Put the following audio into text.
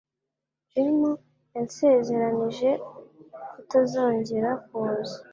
Jim yansezeranije kutazongera kuza